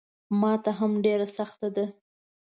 ماته هم ډېره سخته ده.